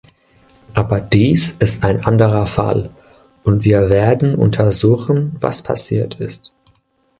Aber dies ist ein anderer Fall, und wir werden untersuchen, was passiert ist.